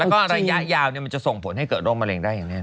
แล้วก็ระยะยาวมันจะส่งผลให้เกิดโรคมะเร็งได้อย่างแน่น